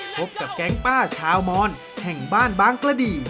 พบกับแก๊งป้าชาวมอนแห่งบ้านบางกระดี